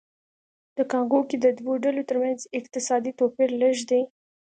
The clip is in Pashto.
د کانګو کې د دوو ډلو ترمنځ اقتصادي توپیر لږ دی